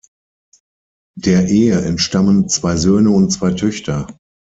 Der Ehe entstammen zwei Söhne und zwei Töchter.